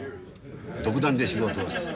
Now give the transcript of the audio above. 独断で仕事をする。